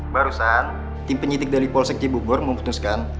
barusan tim penyitik dari polsek cibubor memutuskan